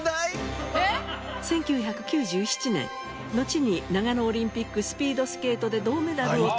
１９９７年のちに長野オリンピックスピードスケートで銅メダルを取る